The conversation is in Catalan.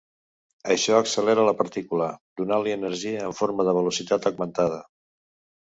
Això accelera la partícula, donant-li energia en forma de velocitat augmentada.